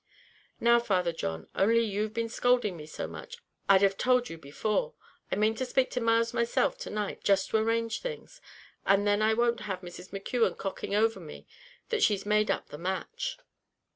"Now, Father John, only you've been scolding me so much, I'd have told you before. I mane to spake to Myles myself to night, just to arrange things; and then I won't have Mrs. McKeon cocking over me that she made up the match."